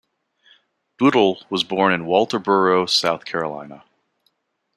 Bootle was born in Walterboro, South Carolina.